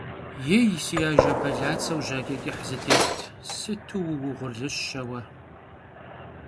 Yêy si Ajje belatseju jaç'e ç'ıh zıtêt, sıtu vuuğurlışe vue.